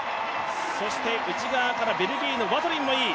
内側からベルギーのワトリンもいい。